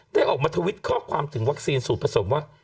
ได้ออกมาทวิตข้อความถึงวัคซีนสูตรผสมว่า